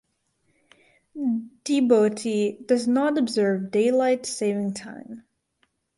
Djibouti does not observe daylight saving time.